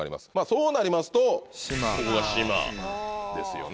そうなりますとここが島ですよね。